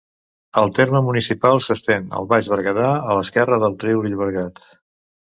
El terme municipal s'estén al Baix Berguedà, a l'esquerra del riu Llobregat.